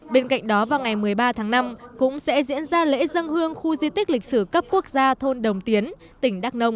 bên cạnh đó vào ngày một mươi ba tháng năm cũng sẽ diễn ra lễ dân hương khu di tích lịch sử cấp quốc gia thôn đồng tiến tỉnh đắk nông